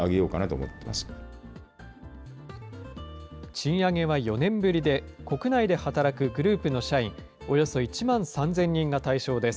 賃上げは４年ぶりで、国内で働くグループの社員およそ１万３０００人が対象です。